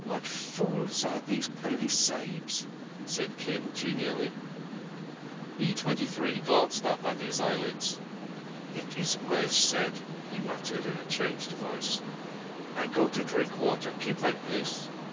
"What fools are these Police Sahibs!" said Kim genially. E23 glanced up under his eyelids. "It is well said," he muttered in a changed voice. "I go to drink water. Keep my place."